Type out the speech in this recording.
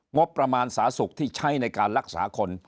งบประมาณสาสุขที่ใช้ในการรักษาคน